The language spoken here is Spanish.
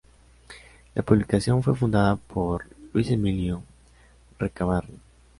La publicación fue fundada por Luis Emilio Recabarren.